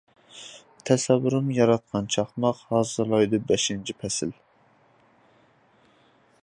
تەسەۋۋۇرۇم ياراتقان چاقماق، ھازىرلايدۇ بەشىنچى پەسىل.